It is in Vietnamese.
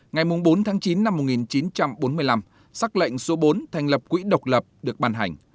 ngày bốn tháng chín năm một nghìn chín trăm bốn mươi năm xác lệnh số bốn thành lập quỹ độc lập được ban hành